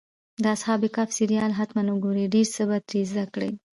د اصحاب کهف سریال حتماً وګوره، ډېر څه به ترې زده کړې.